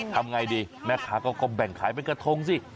ทำไงดีแม่ค้าก็แบ่งขายเป็นกระทงสิ